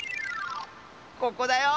ここだよ